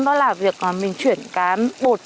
đó là việc mình chuyển cá bột